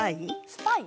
スパイ？